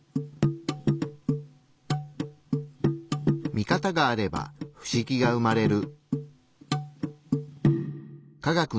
ミカタがあれば不思議が生まれる。